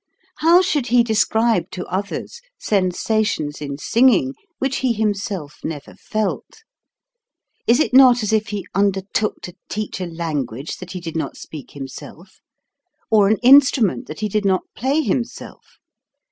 How should he describe to others sensations in singing which he himself never felt? Is it not as if he under took to teach a language that he did not speak himself ? or an instrument that he did not play himself